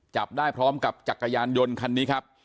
จับได้พร้อมกับจักรยานยนต์คันนี้ครับ